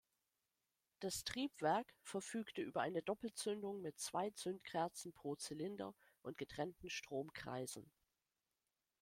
Das Triebwerk verfügte über eine Doppelzündung mit zwei Zündkerzen pro Zylinder und getrennten Stromkreisen.